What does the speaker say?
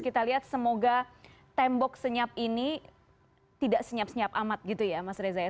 kita lihat semoga tembok senyap ini tidak senyap senyap amat gitu ya mas reza ya